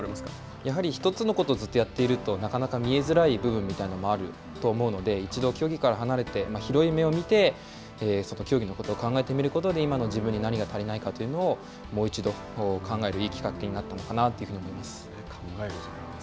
やはり、１つのことをずっとやっているとなかなか見えづらい部分みたいなのもあると思うので一度、競技から離れて広い目で見て競技のことを考えてみることで今の自分に何が足りないかというのをもう一度考えるいいきっかけになったのかなというふうに思います。